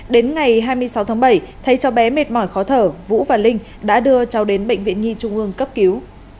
đến ngày hai mươi sáu tháng bảy thấy cháu bé mệt mỏi khó thở vũ và linh đã đưa cháu đến bệnh viện nhi trung ương cấp cứu